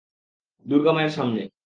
দূর্গা মায়ের সামনে।